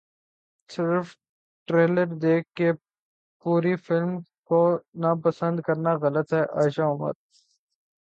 صرف ٹریلر دیکھ کر پوری فلم کو ناپسند کرنا غلط ہے عائشہ عمر